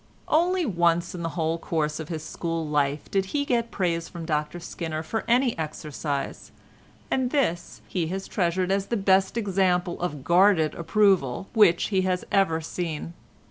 Only once in the whole course of his school life did he get praise from Dr Skinner for any exercise, and this he has treasured as the best example of guarded approval which he has ever seen.